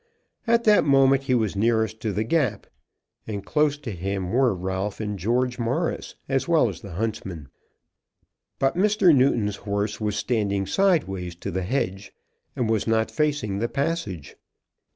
At that moment he was nearest to the gap, and close to him were Ralph and George Morris, as well as the huntsman. But Mr. Newton's horse was standing sideways to the hedge, and was not facing the passage.